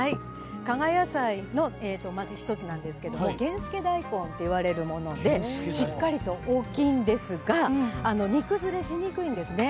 加賀野菜の一つなんですが源助だいこんといわれるものでしっかりと大きいんですが煮崩れしにくいんですね